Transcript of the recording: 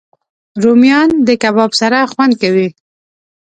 رومیان د کباب سره خوند کوي